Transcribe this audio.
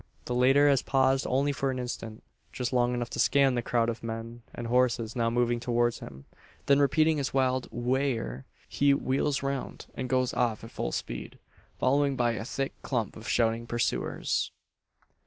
The latter has paused only for an instant just long enough to scan the crowd of men and horses now moving towards him. Then repeating his wild "whigher," he wheels round, and goes off at full speed followed by a thick clump of shouting pursuers!